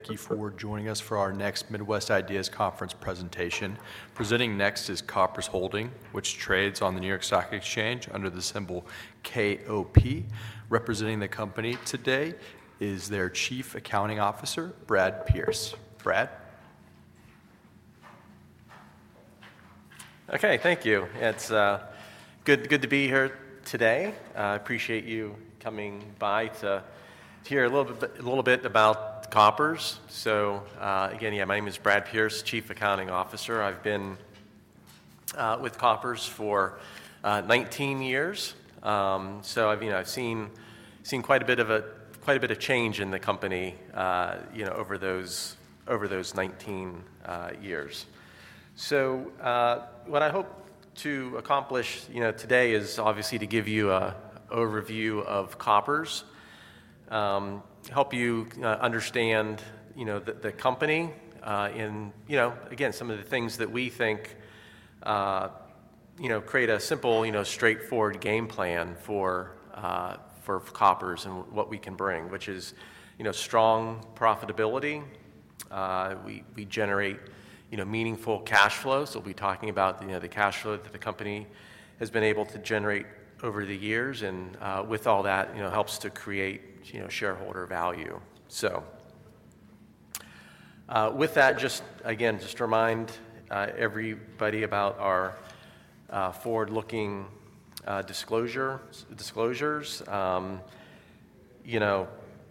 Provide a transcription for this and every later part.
Thank you for joining us for our next Midwest Ideas Conference presentation. Presenting next is Koppers Holdings Inc., which trades on the New York Stock Exchange under the symbol KOP. Representing the company today is their Chief Accounting Officer, Brad Pearce. Brad. Okay, thank you. Yeah, it's good to be here today. I appreciate you coming by to hear a little bit about Koppers. Again, my name is Brad Pearce, Chief Accounting Officer. I've been with Koppers for 19 years. I've seen quite a bit of a change in the company over those 19 years. What I hope to accomplish today is obviously to give you an overview of Koppers, help you understand the company, and some of the things that we think create a simple, straightforward game plan for Koppers and what we can bring, which is strong profitability. We generate meaningful cash flow. We'll be talking about the cash flow that the company has been able to generate over the years, and all that helps to create shareholder value. With that, just again, just remind everybody about our forward-looking disclosures.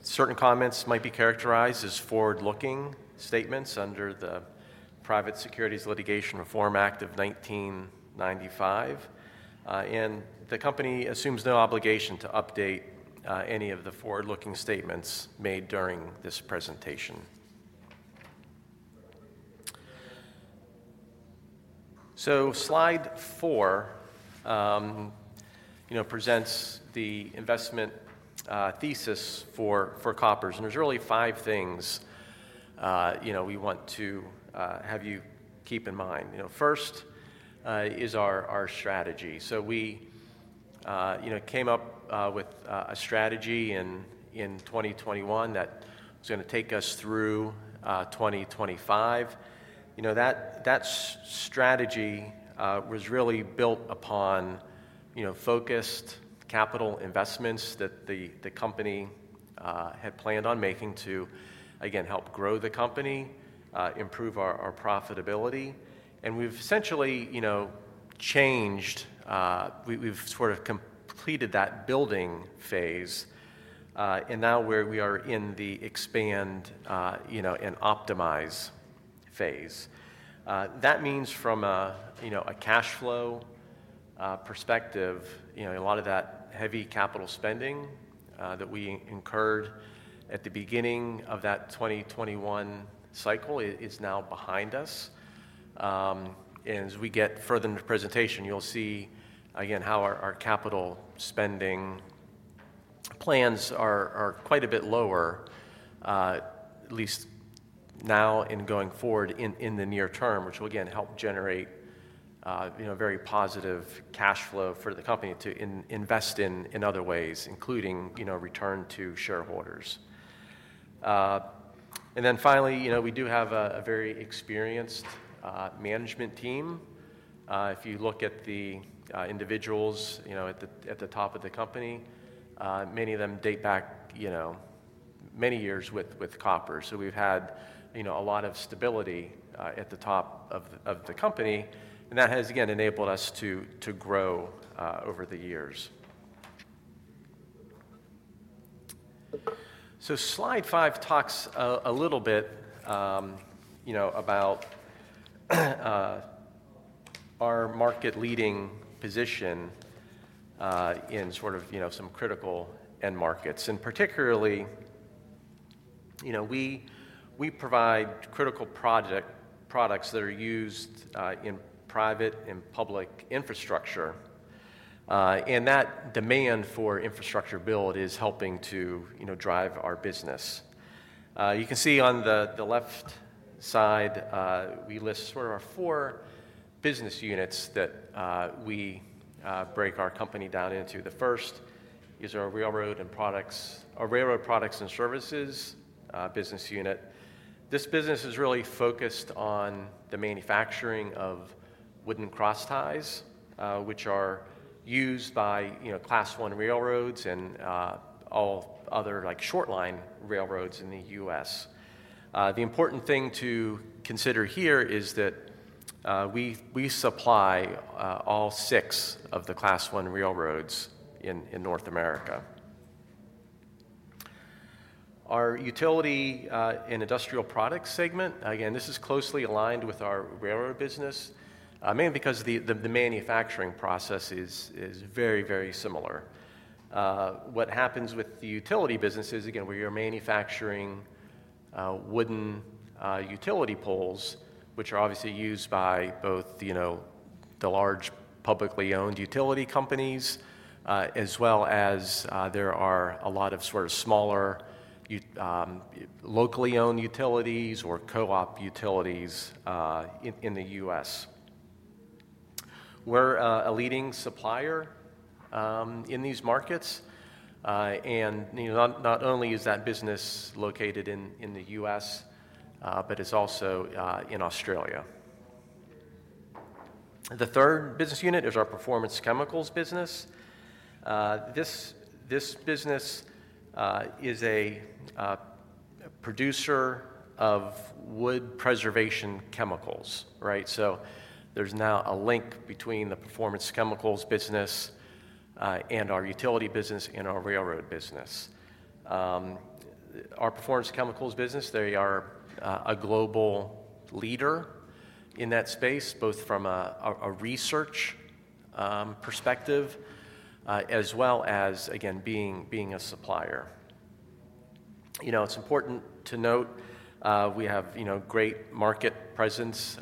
Certain comments might be characterized as forward-looking statements under the Private Securities Litigation Reform Act of 1995. The company assumes no obligation to update any of the forward-looking statements made during this presentation. Slide four presents the investment thesis for Koppers. There are really five things we want to have you keep in mind. First is our strategy. We came up with a strategy in 2021 that was going to take us through 2025. That strategy was really built upon focused capital investments that the company had planned on making to help grow the company and improve our profitability. We've essentially changed, we've sort of completed that building phase. Now we are in the expand and optimize phase. That means from a cash flow perspective, a lot of that heavy capital spending that we incurred at the beginning of that 2021 cycle is now behind us. As we get further into the presentation, you'll see how our capital spending plans are quite a bit lower, at least now and going forward in the near term, which will help generate a very positive cash flow for the company to invest in other ways, including return to shareholders. Finally, we do have a very experienced management team. If you look at the individuals at the top of the company, many of them date back many years with Koppers. We've had a lot of stability at the top of the company. That has, again, enabled us to grow over the years. Slide five talks a little bit about our market-leading position in some critical end markets. Particularly, we provide critical products that are used in private and public infrastructure. That demand for infrastructure build is helping to drive our business. You can see on the left side, we list our four business units that we break our company down into. The first is our Railroad and Utility Products and Services business unit. This business is really focused on the manufacturing of wooden crossties, which are used by Class one railroads and all other short line railroads in the U.S. The important thing to consider here is that we supply all six of the Class one railroads in North America. Our Utility and Industrial Products segment is closely aligned with our railroad business, mainly because the manufacturing process is very similar. What happens with the utility business is where you're manufacturing wooden utility poles, which are obviously used by both the large publicly owned utility companies, as well as a lot of smaller locally owned utilities or co-op utilities in the U.S. We're a leading supplier in these markets. Not only is that business located in the U.S., but it's also in Australia. The third business unit is our Performance Chemicals business. This business is a producer of wood preservation chemicals. There's now a link between the Performance Chemicals business and our utility business and our railroad business. Our Performance Chemicals business is a global leader in that space, both from a research perspective as well as being a supplier. It's important to note we have great market presence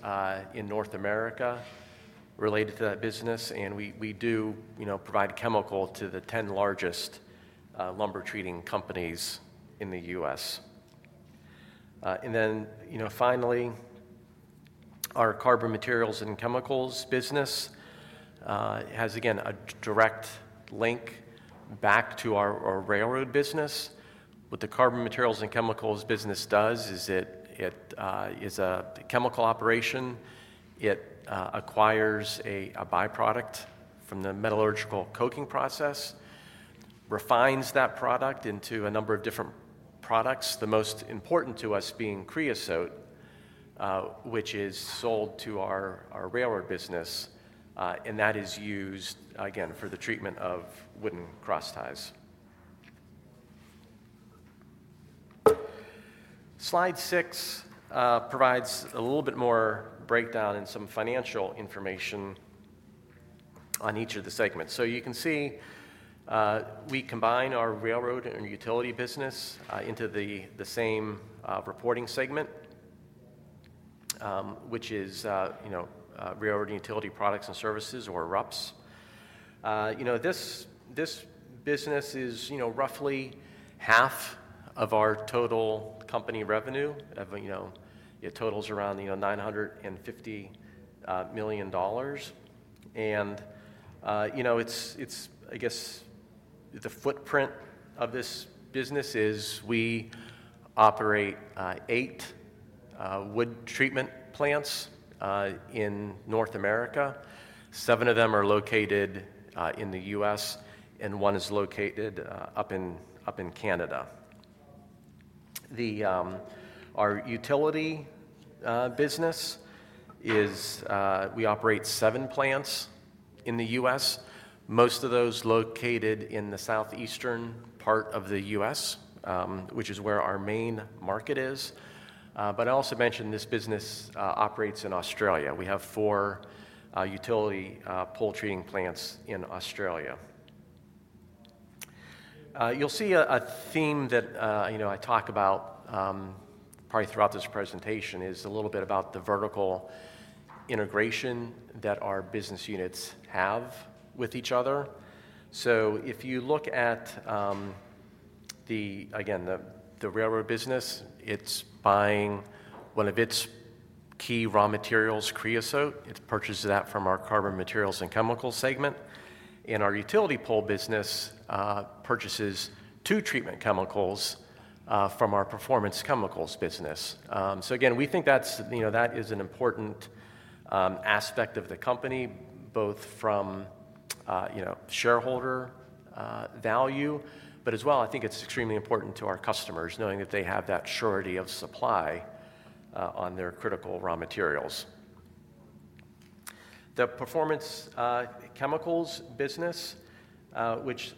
in North America related to that business. We do provide chemical to the 10 largest lumber treating companies in the U.S. Finally, our Carbon Materials and Chemicals business has a direct link back to our railroad business. What the Carbon Materials and Chemicals business does is it is a chemical operation. It acquires a byproduct from the metallurgical coking process, refines that product into a number of different products, the most important to us being creosote, which is sold to our railroad business. That is used, again, for the treatment of wooden crossties. Slide six provides a little bit more breakdown and some financial information on each of the segments. You can see we combine our railroad and utility business into the same reporting segment, which is railroad and utility products and services, or RUPS. This business is roughly half of our total company revenue. It totals around $950 million. The footprint of this business is we operate eight wood treatment plants in North America. Seven of them are located in the U.S., and one is located up in Canada. Our utility business is we operate seven plants in the U.S., most of those located in the southeastern part of the U.S., which is where our main market is. I also mentioned this business operates in Australia. We have four utility pole treating plants in Australia. You'll see a theme that I talk about probably throughout this presentation, which is a little bit about the vertical integration that our business units have with each other. If you look at the railroad business, it's buying one of its key raw materials, creosote. It purchases that from our Carbon Materials and Chemicals segment. Our utility pole business purchases two treatment chemicals from our Performance Chemicals business. We think that is an important aspect of the company, both from shareholder value, but as well, I think it's extremely important to our customers, knowing that they have that surety of supply on their critical raw materials. The Performance Chemicals business, which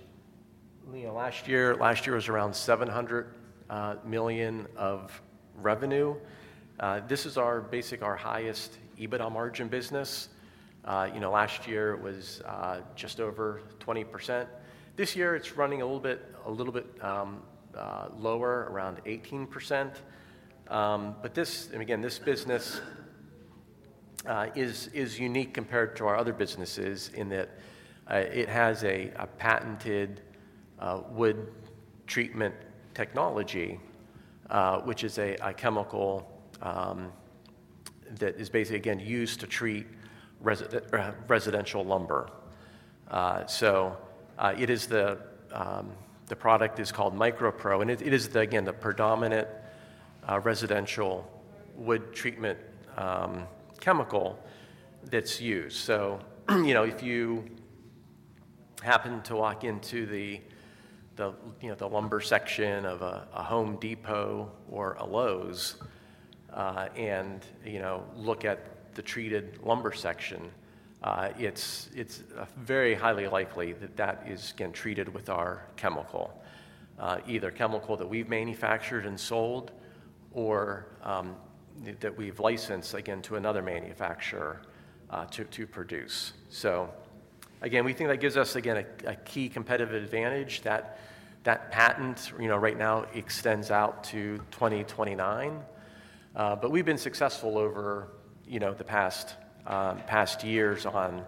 last year was around $700 million of revenue, is our highest EBITDA margin business. Last year it was just over 20%. This year it's running a little bit lower, around 18%. This business is unique compared to our other businesses in that it has a patented wood treatment technology, which is a chemical that is basically used to treat residential lumber. The product is called MicroPro, and it is the predominant residential wood treatment chemical that's used. If you happen to walk into the lumber section of a Home Depot or a Lowe's and look at the treated lumber section, it's very highly likely that that is, again, treated with our chemical, either chemical that we've manufactured and sold or that we've licensed, again, to another manufacturer to produce. We think that gives us, again, a key competitive advantage that that patent, right now, extends out to 2029. We've been successful over the past years on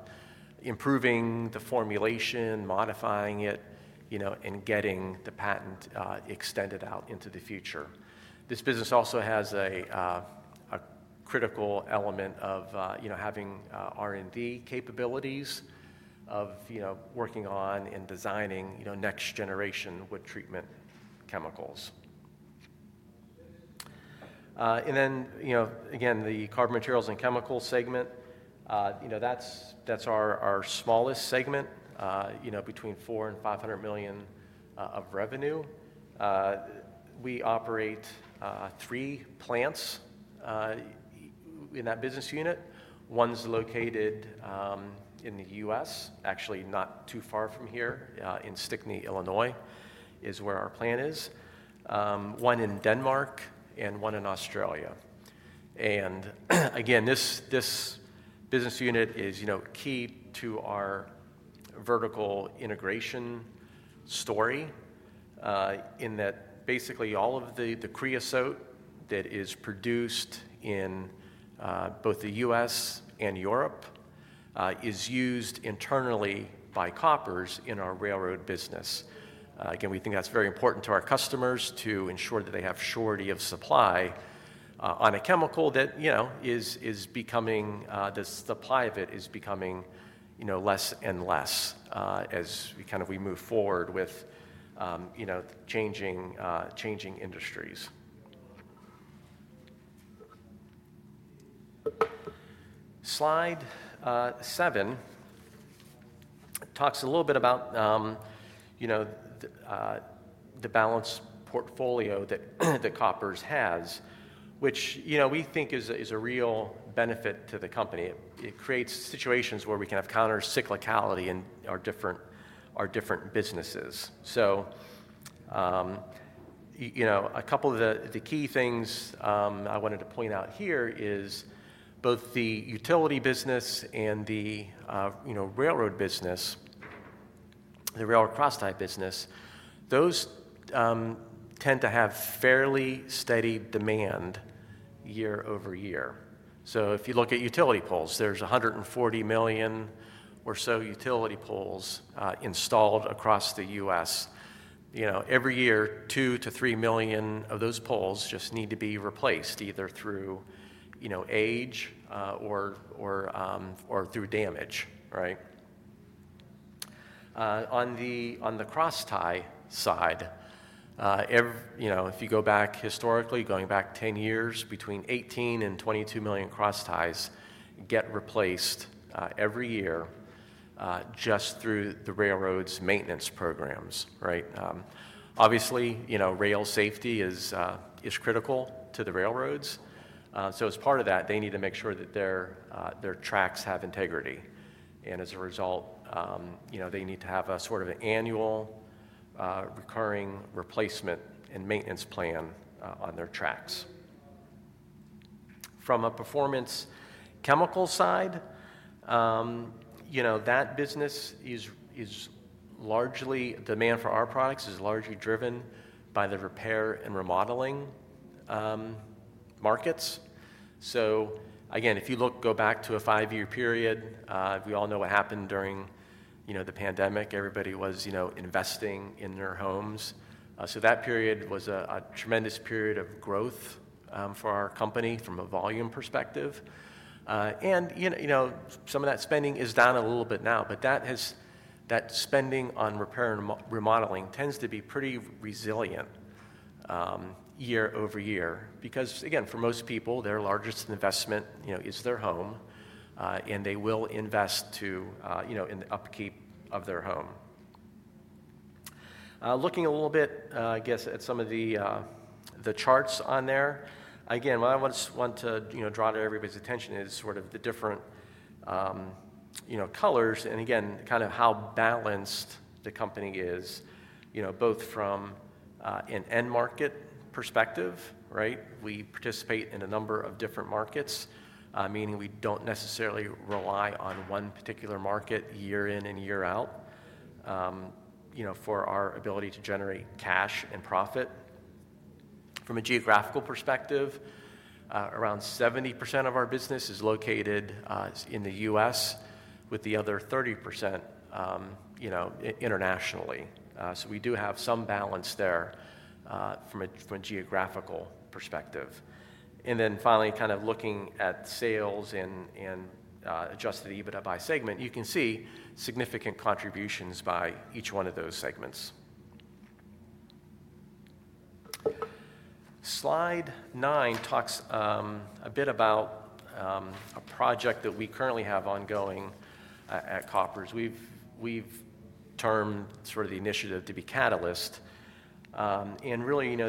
improving the formulation, modifying it, and getting the patent extended out into the future. This business also has a critical element of having R&D capabilities of working on and designing next generation wood treatment chemicals. The Carbon Materials and Chemicals segment, that's our smallest segment, between $400 million and $500 million of revenue. We operate three plants in that business unit. One's located in the U.S., actually not too far from here, in Stickney, Illinois, is where our plant is. One in Denmark and one in Australia. This business unit is key to our vertical integration story in that basically all of the creosote that is produced in both the U.S. and Europe is used internally by Koppers in our railroad business. We think that's very important to our customers to ensure that they have surety of supply on a chemical that is becoming, the supply of it is becoming less and less as we move forward with changing industries. Slide seven talks a little bit about the balanced portfolio that Koppers has, which we think is a real benefit to the company. It creates situations where we can have countercyclicality in our different businesses. A couple of the key things I wanted to point out here is both the utility business and the railroad business, the railroad crosstie business. Those tend to have fairly steady demand year-over-year. If you look at utility poles, there's 140 million or so utility poles installed across the U.S. Every year, two to three million of those poles just need to be replaced either through age, or through damage, right? On the crosstie side, if you go back historically, going back 10 years, between 18 and 22 million crossties get replaced every year just through the railroad's maintenance programs, right? Obviously, rail safety is critical to the railroads. As part of that, they need to make sure that their tracks have integrity. As a result, they need to have a sort of an annual recurring replacement and maintenance plan on their tracks. From a performance chemical side, that business is largely, the demand for our products is largely driven by the repair and remodeling markets. If you look, go back to a five-year period, we all know what happened during the pandemic. Everybody was investing in their homes. That period was a tremendous period of growth for our company from a volume perspective. Some of that spending is down a little bit now, but that spending on repair and remodeling tends to be pretty resilient year over year because, for most people, their largest investment is their home, and they will invest in the upkeep of their home. Looking a little bit, I guess, at some of the charts on there, what I want to draw to everybody's attention is the different colors, and kind of how balanced the company is, both from an end market perspective, right? We participate in a number of different markets, meaning we don't necessarily rely on one particular market year in and year out for our ability to generate cash and profit. From a geographical perspective, around 70% of our business is located in the U.S., with the other 30% internationally. We do have some balance there from a geographical perspective. Finally, kind of looking at sales and adjusted EBITDA by segment, you can see significant contributions by each one of those segments. Slide nine talks a bit about a project that we currently have ongoing at Koppers. We've termed the initiative to be Project Catalyst.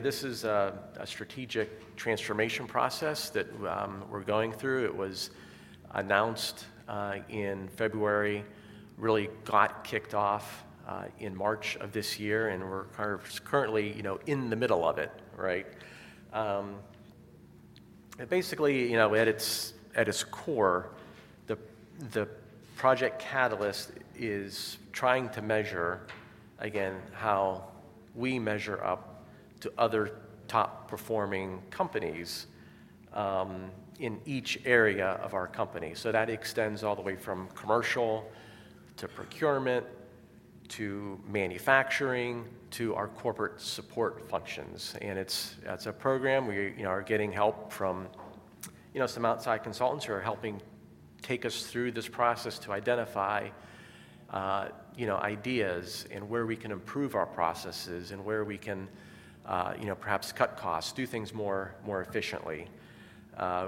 This is a strategic transformation process that we're going through. It was announced in February, really got kicked off in March of this year, and we're currently in the middle of it, right? Basically, at its core, Project Catalyst is trying to measure, again, how we measure up to other top performing companies in each area of our company. That extends all the way from commercial to procurement to manufacturing to our corporate support functions. It's a program we are getting help from some outside consultants who are helping take us through this process to identify ideas and where we can improve our processes and where we can perhaps cut costs, do things more efficiently.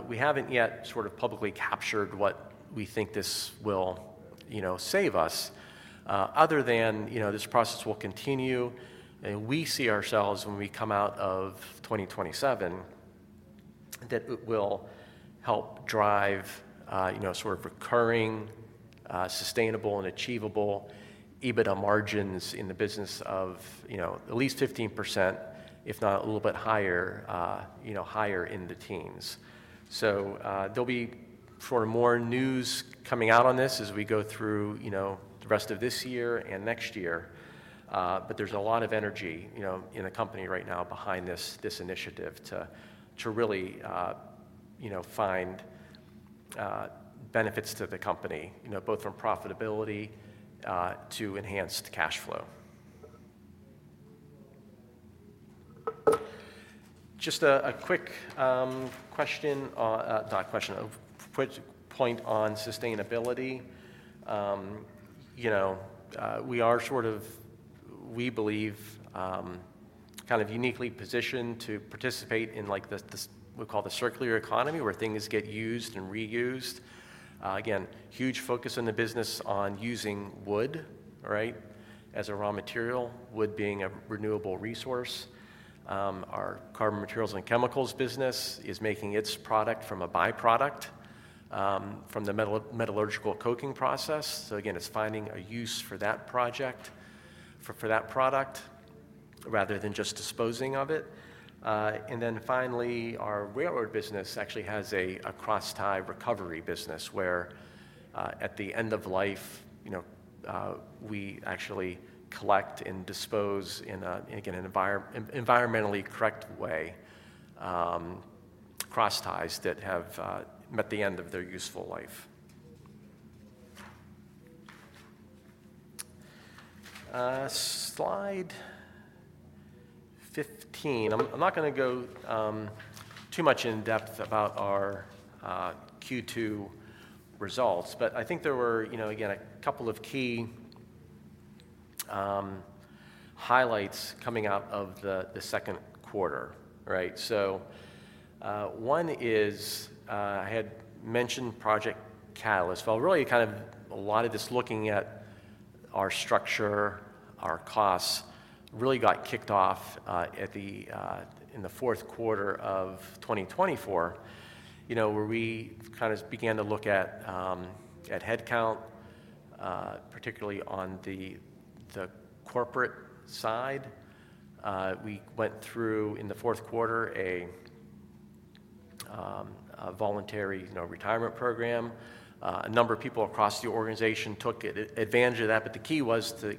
We haven't yet publicly captured what we think this will save us, other than this process will continue. We see ourselves when we come out of 2027 that it will help drive recurring, sustainable, and achievable EBITDA margins in the business of at least 15%, if not a little bit higher, higher in the teens. There will be more news coming out on this as we go through the rest of this year and next year. There's a lot of energy in the company right now behind this initiative to really find benefits to the company, both from profitability to enhanced cash flow. Just a quick question, a quick point on sustainability. We are sort of, we believe, kind of uniquely positioned to participate in what we call the circular economy where things get used and reused. Again, huge focus in the business on using wood as a raw material, wood being a renewable resource. Our Carbon Materials and Chemicals business is making its product from a byproduct from the metallurgical coking process. Again, it's finding a use for that product rather than just disposing of it. Finally, our Railroad and Utility Products and Services business actually has a crosstie recovery business where, at the end of life, we actually collect and dispose in an environmentally correct way, crossties that have met the end of their useful life. Slide 15. I'm not going to go too much in depth about our Q2 results, but I think there were a couple of key highlights coming out of the second quarter, right? One is, I had mentioned Project Catalyst. Really, a lot of this looking at our structure, our costs really got kicked off in the fourth quarter of 2024, where we began to look at headcount, particularly on the corporate side. We went through, in the fourth quarter, a voluntary retirement program. A number of people across the organization took advantage of that, but the key was to,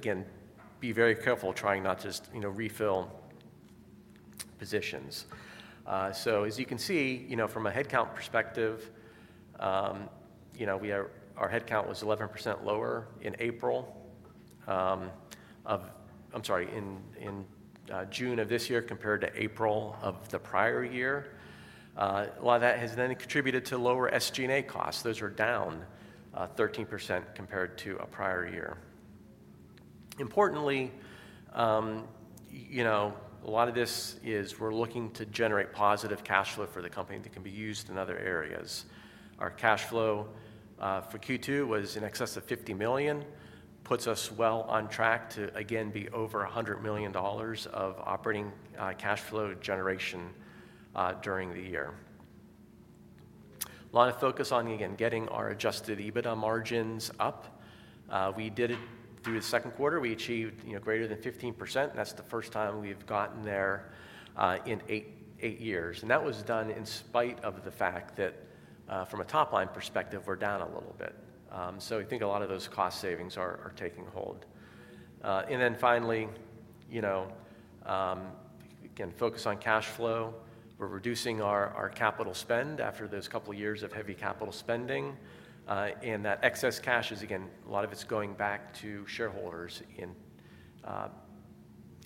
again, be very careful trying not to just, you know, refill positions. As you can see, from a headcount perspective, our headcount was 11% lower in June of this year compared to April of the prior year. A lot of that has contributed to lower SG&A costs. Those are down 13% compared to a prior year. Importantly, a lot of this is we're looking to generate positive cash flow for the company that can be used in other areas. Our cash flow for Q2 was in excess of $50 million, which puts us well on track to be over $100 million of operating cash flow generation during the year. There is a lot of focus on getting our adjusted EBITDA margins up. We did it through the second quarter. We achieved greater than 15%, and that's the first time we've gotten there in eight years. That was done in spite of the fact that, from a top line perspective, we're down a little bit. I think a lot of those cost savings are taking hold. Finally, focus on cash flow. We're reducing our capital spend after those couple of years of heavy capital spending. That excess cash is, again, a lot of it's going back to shareholders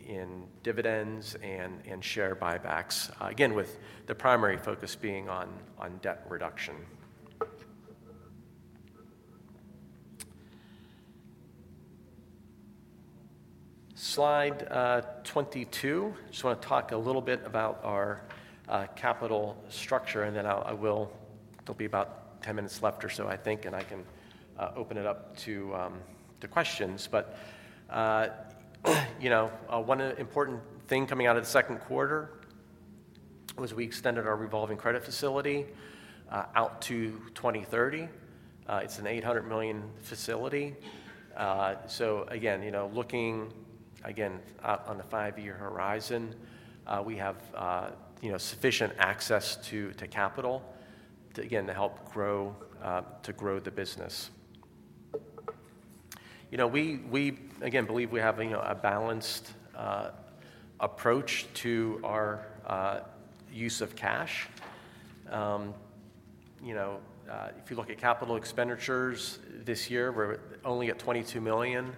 in dividends and share buybacks, with the primary focus being on debt reduction. Slide 22. I just want to talk a little bit about our capital structure, and then there'll be about 10 minutes left or so, I think, and I can open it up to questions. One of the important things coming out of the second quarter was we extended our revolving credit facility out to 2030. It's an $800 million facility. Looking again on the five-year horizon, we have sufficient access to capital to help grow the business. We believe we have a balanced approach to our use of cash. If you look at capital expenditures this year, we're only at $22 million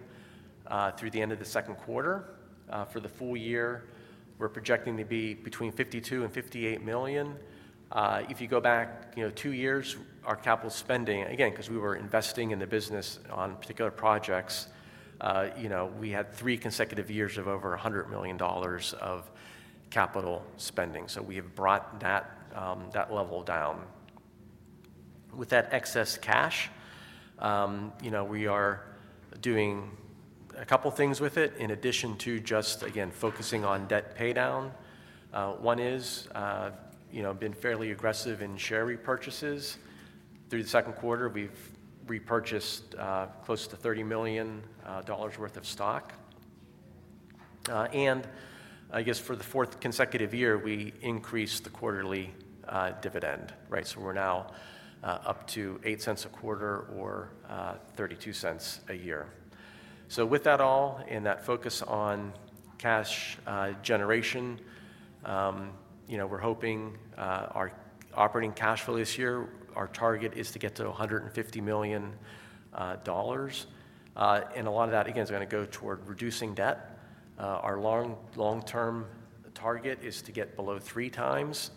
through the end of the second quarter. For the full year, we're projecting to be between $52 million and $58 million. If you go back two years, our capital spending, because we were investing in the business on particular projects, we had three consecutive years of over $100 million of capital spending. We have brought that level down. With that excess cash, we are doing a couple of things with it in addition to just, again, focusing on debt paydown. One is, we have been fairly aggressive in share repurchases. Through the second quarter, we've repurchased close to $30 million worth of stock. For the fourth consecutive year, we increased the quarterly dividend, right? We're now up to $0.08 a quarter or $0.32 a year. With that all, in that focus on cash generation, we're hoping our operating cash flow this year, our target is to get to $150 million. A lot of that, again, is going to go toward reducing debt. Our long-term target is to get below three times,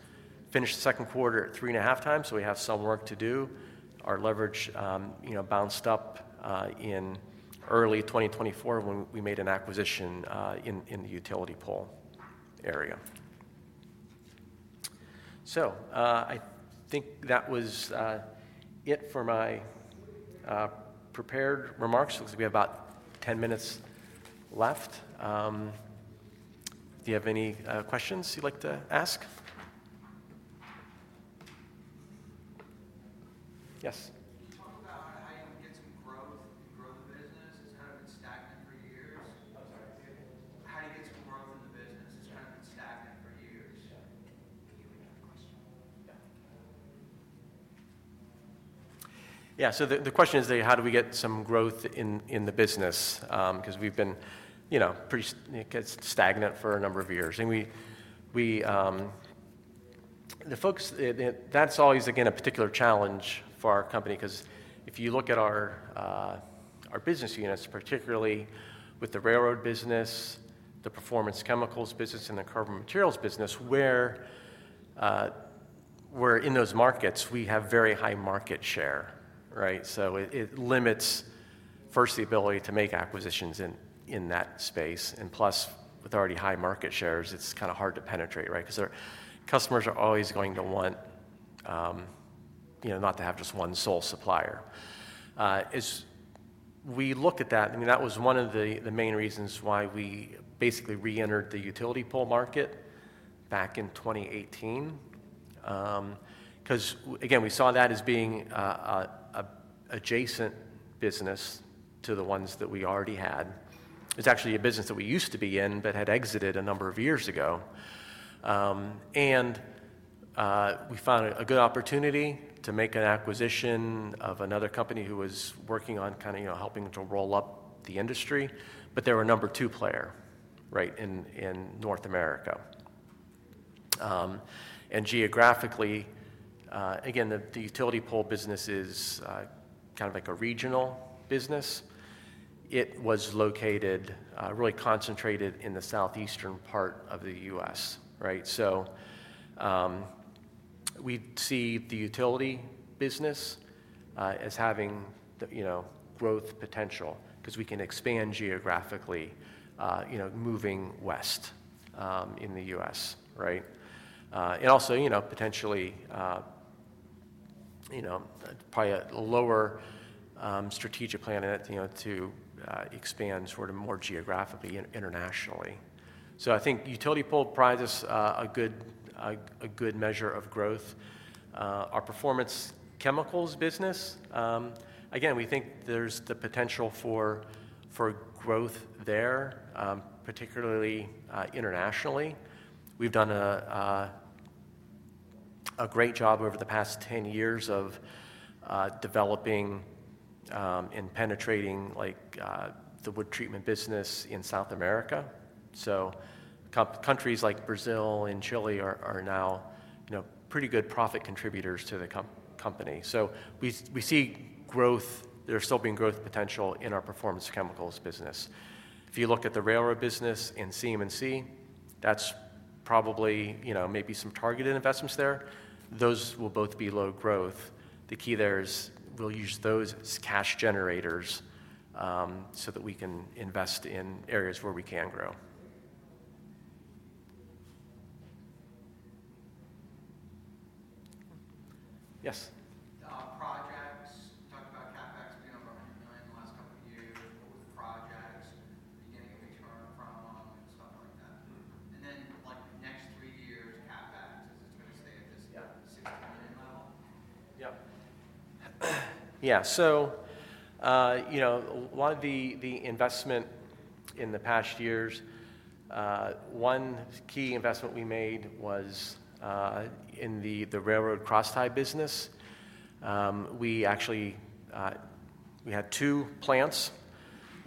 finished the second quarter at three and a half times. We have some work to do. Our leverage bounced up in early 2024 when we made an acquisition in the utility pole area. I think that was it for my prepared remarks. We have about 10 minutes left. Do you have any questions you'd like to ask? Yes. How do you get some growth in the business? It's kind of been stagnant for years. Yeah. The question is, how do we get some growth in the business? Because we've been pretty stagnant for a number of years. That's always a particular challenge for our company because if you look at our business units, particularly with the Railroad and Utility Products and Services business, the Performance Chemicals business, and the Carbon Materials and Chemicals business, where we're in those markets, we have very high market share, right? It limits the ability to make acquisitions in that space. Plus, with already high market shares, it's kind of hard to penetrate, right? Customers are always going to want not to have just one sole supplier. As we look at that, that was one of the main reasons why we basically reentered the utility pole market back in 2018. We saw that as being an adjacent business to the ones that we already had. It's actually a business that we used to be in but had exited a number of years ago. We found a good opportunity to make an acquisition of another company who was working on helping to roll up the industry. They were a number two player in North America. Geographically, the utility pole business is kind of like a regional business. It was located really concentrated in the southeastern part of the U.S., right? We see the utility business as having growth potential because we can expand geographically, moving west in the U.S., right? Also, potentially, probably a lower strategic plan to expand more geographically internationally. I think utility pole provides us a good measure of growth. Our Performance Chemicals business, again, we think there's the potential for growth there, particularly internationally. We've done a great job over the past 10 years of developing and penetrating the wood treatment business in South America. Countries like Brazil and Chile are now pretty good profit contributors to the company. We see growth. There's still growth potential in our Performance Chemicals business. If you look at the Railroad and Utility Products and Services business and Carbon Materials and Chemicals, that's probably maybe some targeted investments there. Those will both be low growth. The key there is we'll use those as cash generators so that we can invest in areas where we can grow. Yes. Our projects, talking about CapEx, do you have $100 million in the last couple of years? What was the projects? Are you getting a return from them? What next three years CapEx is going to stay at this $6 million level? Yeah. So, you know, a lot of the investment in the past years, one key investment we made was in the railroad crosstie business. We actually had two plants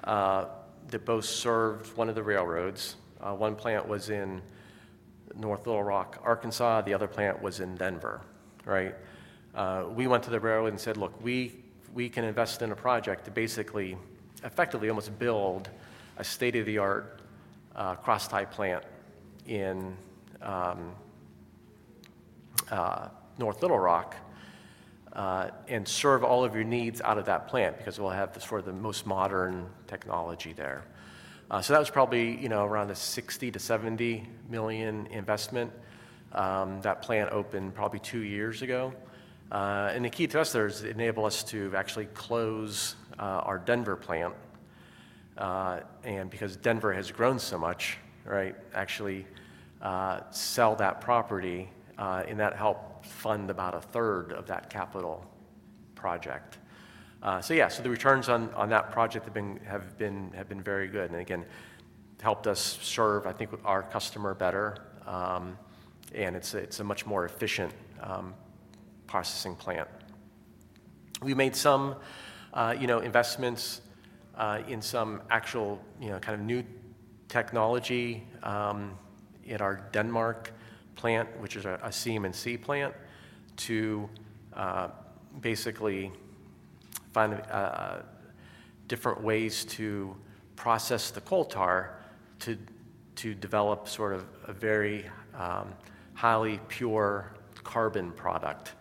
that both served one of the railroads. One plant was in North Little Rock, Arkansas. The other plant was in Denver, right? We went to the railroad and said, look, we can invest in a project to basically effectively almost build a state-of-the-art crosstie plant in North Little Rock and serve all of your needs out of that plant because we'll have sort of the most modern technology there. That was probably, you know, around a $60 million - $70 million investment. That plant opened probably two years ago. The key to us there is it enabled us to actually close our Denver plant. Because Denver has grown so much, right, actually sell that property. That helped fund about a third of that capital project. Yeah, the returns on that project have been very good. Again, it helped us serve, I think, with our customer better. It's a much more efficient processing plant. We made some investments in some actual, you know, kind of new technology in our Denmark plant, which is a Carbon Materials and Chemicals plant, to basically find different ways to process the coal tar to develop sort of a very highly pure carbon product.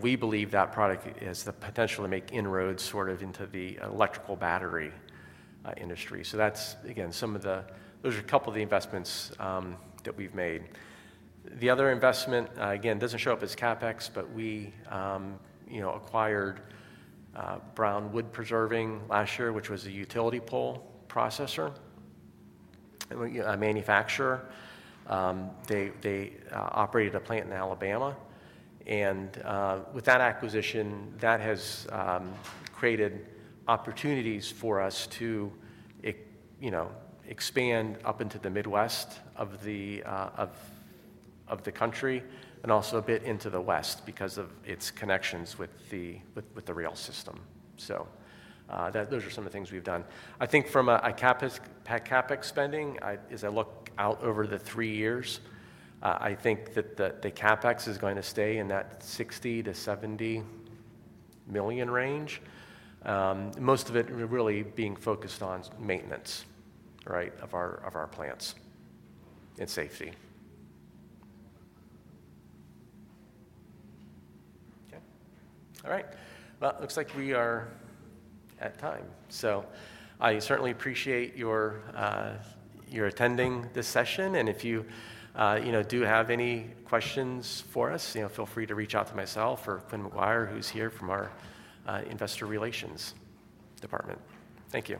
We believe that product has the potential to make inroads sort of into the electrical battery industry. That's, again, some of the, those are a couple of the investments that we've made. The other investment, again, doesn't show up as CapEx, but we acquired Brown Wood Preserving last year, which was a utility pole processor and a manufacturer. They operated a plant in Alabama. With that acquisition, that has created opportunities for us to expand up into the Midwest of the country and also a bit into the West because of its connections with the rail system. Those are some of the things we've done. I think from a CapEx spending, as I look out over the three years, I think that the CapEx is going to stay in that $60 million - $70 million range. Most of it really being focused on maintenance, right, of our plants and safety. Okay. All right. It looks like we are at time. I certainly appreciate your attending this session. If you do have any questions for us, feel free to reach out to myself or Quynh McGuire, who's here from our investor relations department. Thank you.